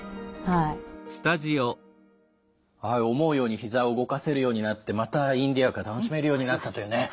はい思うようにひざを動かせるようになってまたインディアカ楽しめるようになったというね。